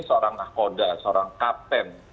seorang ahkoda seorang kapten